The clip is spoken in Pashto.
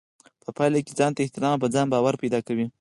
په پايله کې ځانته احترام او په ځان باور پيدا کوي.